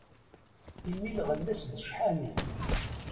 Imi lɣella-s d cḥani.